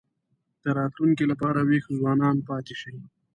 د راتلونکي لپاره وېښ ځوانان پاتې شي.